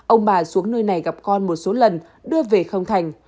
ông bà xuống nơi này gặp con một số lần đưa về không thành